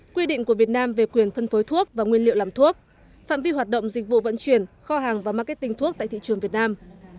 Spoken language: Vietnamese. quy định của việt nam về quyền phân phối thuốc và nguyên liệu làm thuốc phạm vi hoạt động dịch vụ vận chuyển kho hàng và marketing thuốc tại thị trường việt nam